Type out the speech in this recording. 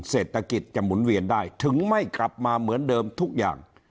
เศรษฐกิจจะหมุนเวียนได้ถึงไม่กลับมาเหมือนเดิมทุกอย่าง